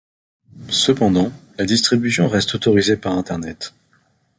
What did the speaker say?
Cependant, la distribution reste autorisée par internet.